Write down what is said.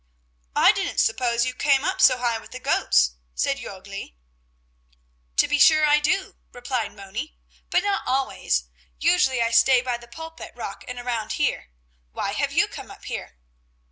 "I didn't suppose you came up so high with the goats," said Jörgli. "To be sure I do," replied Moni, "but not always; usually I stay by the Pulpit rock and around there. Why have you come up here?"